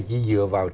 chỉ dựa vào